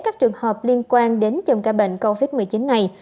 các trường hợp liên quan đến chồng ca bệnh covid một mươi chín này